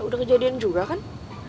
udah kejadian juga kan